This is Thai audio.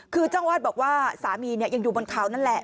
คือเจ้าอาวาสบอกว่าสามียังอยู่บนเขานั่นแหละ